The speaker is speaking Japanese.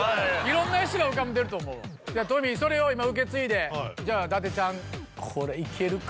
色んな人が浮かんでると思うじゃあトミーそれを今受け継いでじゃあ伊達ちゃんこれいけるか？